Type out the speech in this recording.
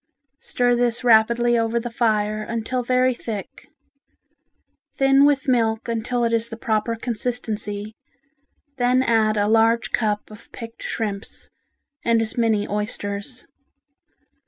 Stir this rapidly over the fire until very thick. Thin with milk until it is the proper consistency, then add a large cup of picked shrimps, and as many oysters.